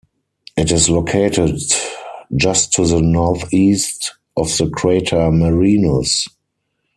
It is located just to the northeast of the crater Marinus.